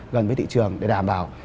gần với thị trường để đảm bảo